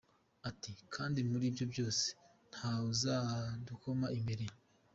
Ati “Kandi muri ibyo byose nta wuzadukoma imbere”.